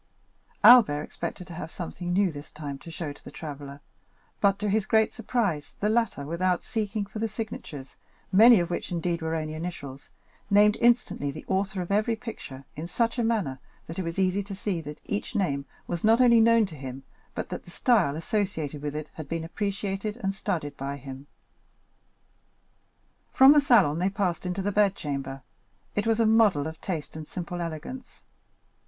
Albert expected to have something new this time to show to the traveller, but, to his great surprise, the latter, without seeking for the signatures, many of which, indeed, were only initials, named instantly the author of every picture in such a manner that it was easy to see that each name was not only known to him, but that each style associated with it had been appreciated and studied by him. From the salon they passed into the bedchamber; it was a model of taste and simple elegance.